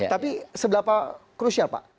tapi sebelah belah crucial pak